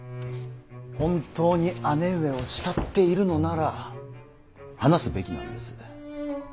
本当に姉上を慕っているのなら話すべきなんです。